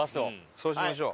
そうしましょう。